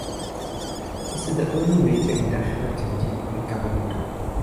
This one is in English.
This is the only major industrial activity in Capinota.